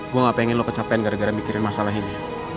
gue gak pengen lo kecapean gara gara mikirin masalah ini